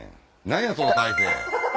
何やその体勢